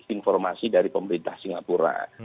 informasi dari pemerintah singapura